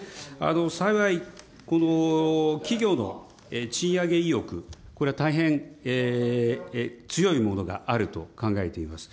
幸い、この企業の賃上げ意欲、これは大変強いものがあると考えています。